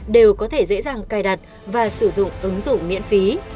đều có thể dễ dàng cài đặt và sử dụng ứng dụng miễn phí